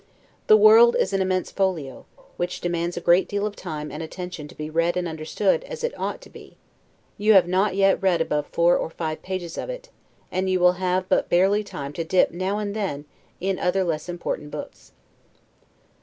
The world is an immense folio, which demands a great deal of time and attention to be read and understood as it ought to be; you have not yet read above four or five pages of it; and you will have but barely time to dip now and then in other less important books.